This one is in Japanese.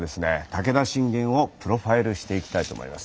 武田信玄をプロファイルしていきたいと思います。